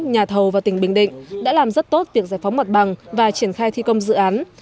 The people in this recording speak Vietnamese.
nhà thầu và tỉnh bình định đã làm rất tốt việc giải phóng mặt bằng và triển khai thi công dự án